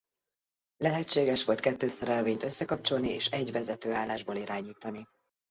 Lehetséges volt kettő szerelvényt összekapcsolni és egy vezetőállásból irányítani.